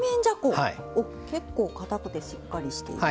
結構かたくてしっかりしている。